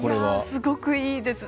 すごくいいです。